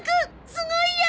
すごいや！